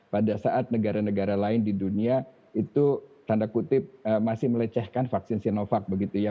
pada saat negara negara lain di dunia itu tanda kutip masih melecehkan vaksin sinovac begitu ya